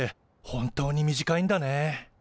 本当に短いんだね。